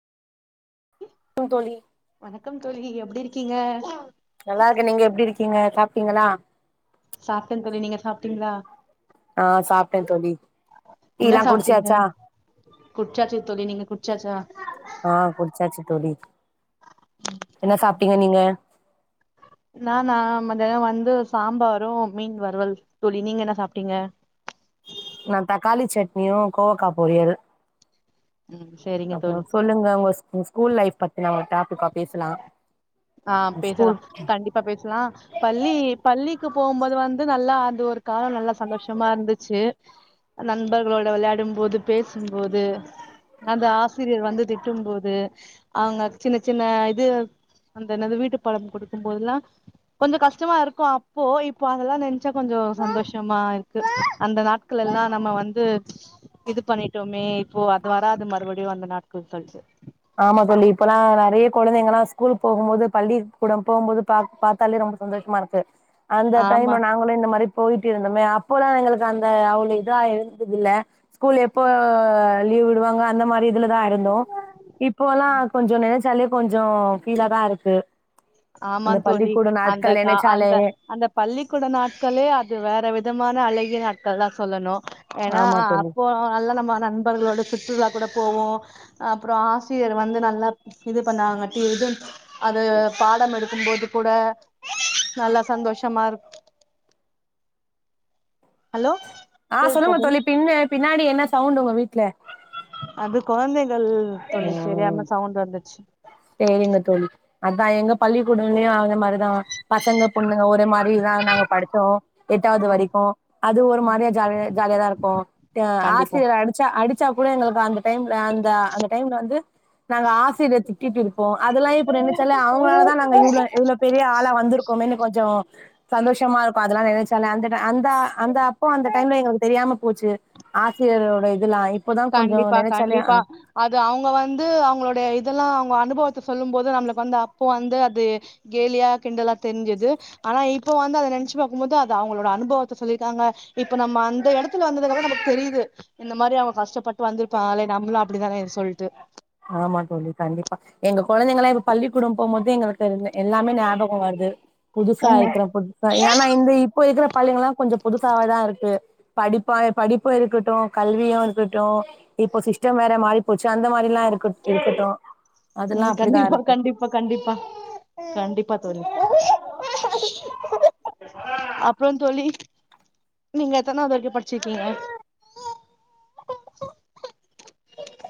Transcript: come தோழி வணக்கம் தோழி எப்டி இருக்கீங்க நல்லா இருக்கே நீங்க எப்டி இருக்கீங்க சாப்டீங்களா சாப்ட்டே தோழி நீங்க சாப்ட்டீங்களா ஆ சாப்ட்டே தோழி டீ என்ன லா சாப்ட்டீங்க குடிச்சாச்சா குடிச்சாச்சு தோழி நீங்க குடிச்சாச்சா ஆ குடிச்சாச்சு தோழி என்ன சாப்ட்டீங்க நீங்க நானா மதியான வந்து சாம்பாரு மீன் வறுவல் தோழி நீங்க என்ன சாப்ட்டீங்க நா தக்காளி சட்னியு கோவக்கா பொரியல் ம் சேரிங்க அப்பற தோழி சொல்லுங்க உங்க ஸ்கூல் லைப் பத்தின ஒரு டாபிக்க பேசலா ஸ்கூல் இப்ப பேசலா பள்ளி பள்ளிக்கு போகும்போது வந்து நல்லா அது ஒரு கால நல்லா சந்தோஷமா இருந்துச்சு நண்பர்களோட விளையாடும் போது பேசும்போது அந்த ஆசிரியர் வந்து திட்டும் போது அவங்க சின்ன சின்ன இது அது என்னது வீட்டு பாடம் கொடுக்கும்போதெல்லா கொஞ்சோ கஷ்டமா இருக்கு அப்போ இப்போ அதெல்லா நெனச்சா கொஞ்சோ சந்தோஷமா ருக்கு அந்த நாட் க்குள எல்லா நம்ம வந்து இது பண்ணிட்டோமே இப்போ அது வராது மறுபடியு அந்த நாட்கள் கழிச்சு ஆமா தோழி இப்பெல்லா நறைய குழந்தைங்கல்லா ஸ்கூலுக்கு போம் போது பள்ளிக்கூடம் போம்போது பா பாத்தாலே ரொம்ப சந்தோஷமா இருக் குது அந்த டைம் ஆமா நாங்களும் இந்த மாதிரி போயிட்டு இருந்தோமே அப்பல்லா எங்களு அந்த அவ்ளோ இதா இருந்தது இல்ல ஸ்கூல் எப்போ லீவ் விடுவாங்க அந்த மாறி இதுல தா இருந்தோ இப்போ எல்லா கொஞ்சோ நெனைச்சாலே கொஞ்சோ ஃபீலா தா இருக்கு ஆமா அந்த தோழி பள்ளிக்கூட அந்த நாட்கள் கா நெனைச்சாலே அந்த அந்த பள்ளிக்கூட நாட்களே அது வேற விதமான அழகிய நாட்கள் தா சொல்லணு ஏன்னா ஆமா தோழி அப்போ எல்லா நம்ம நண்பர்களோட சுற்றுலா கூட போவோ அப்புறோ ஆசிரியர் வந்து நல்லா இது பண்ணாங்க டி இது அது பாடம் எடுக்கும்போது கூட நல்லா சந்தோஷமா இருக் ஹலோ ஆ சொல்லுங்க தோழி பின்ன பின்னாடி என்ன சவுண்ட் உங்க வீட்ல அது கொழந்தைகள் தோழி ம் தெரியாம சவுண்ட் வந்துச்சு சேரிங்க தோழி அத்தா எங்க பள்ளிக்கூடலயையு அந்த மாறி தோ பசங்க பொண்ணுங்க ஒரே மாறிதா நாங்க படிச்சோ எட்டாது வரிக்கும் அது ஒரு மாறியா ஜாலியா ஜாலியாதா இருக்கும் கண்டிப்பா ஆசிரியர் அடுத் ச்சா அடிச்சா கூட எங்களுக்கு அந்த டைம் அ அந்த டைம் ல வந்து நாங்க ஆசிரியர் திட்டிட்டு இருப்போ அதெல்லா இப்ப நினைச்சாலே அவங்களாலதா நாங்க இவ்ளோ இவ்ளோ பெரிய ஆளா வந்திருக்கோமேன்னு கொஞ்சோ சந்தோஷமா இருக்கும் அதெல்லா நெனச் சாலே அந்த டை அந்த அப்போ அந்த டைம்ல எங்களுக்கு தெரியாம போச்சு ஆசிரியரோட இதுல்லா இப் கண்டிப்பா கண்டிப்பா அது அவுங்க வந்து அவங்களுடைய இதெல்லா அவுங்க அனுபவத்த சொல்லும் போது நம்மளுக்கு வந்து அப்போ வந்து அது கேலியா கிண்டலா தெரிஞ்சது ஆனா இப்ப வந்து அத நெனைச்சு பாக்கும் போது அது அவங்களோட அனுபவத்த சொல்லியிருக்காங்க இப்ப நம்ம அந்த எடத் துல வந்ததுக்கு அப்றோ நமக்கு தெரியிது இந்த மாறி அவங்க கஷ்டப்பட்டு வந்திருப்பாங்களே நம்பளும் அப்டிதானே சொல்ட்டு ஆமா தோழி கண்டிப்பா எங்க கொழந்தைங்கல்லா இப்ப பள்ளிக்கூடம் போம் போது எங்களுக் சொல்லுங்க எல்லாமே ஞாபகம் வருது புதுசா ம் இருக்கிற புட் சரி ஏன்னா இந்த இப்போ இருக்கிற பள்ளிங்கல்லா கொஞ்சோ புதுசாவேதா இருக்கு படிப்பா படிப்பு இருக்கட்டும் கல்வியு இருக்கட்டும் இப்ப சிஸ்டம் வேற மாறி போச்சு அந்த மாறில்லா இருக்கு இருக்கட்டும் அதெல்லா அப்டிதா இருக்கு இப்ப கண்டிப்பா கண்டிப்பா தோழி அப்புறோ தோழி நீங்க எத்தனாது வரைக்கு படிச்சிருக்கீங்க